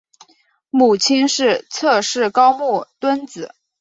母亲是侧室高木敦子。